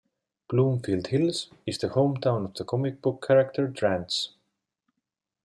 Bloomfield Hills is the hometown of the comic book character, Trance.